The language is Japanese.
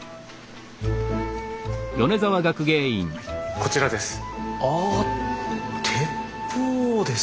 こちらです。